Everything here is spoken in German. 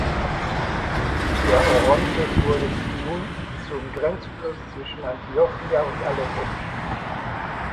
Der Orontes wurde nun zum Grenzfluss zwischen Antiochia und Aleppo bestimmt.